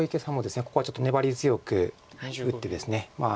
ここはちょっと粘り強く打ってですね